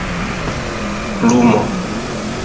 lumo